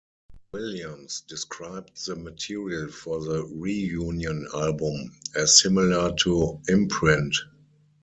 Williams described the material for the reunion album as similar to "Imprint".